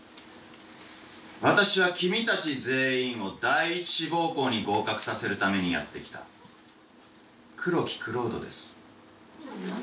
私は君たち全員を第一志望校に合格させるためにやって来た黒木蔵人です。